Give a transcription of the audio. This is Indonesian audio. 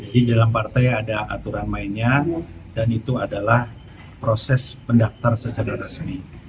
di dalam partai ada aturan mainnya dan itu adalah proses pendaftar secara resmi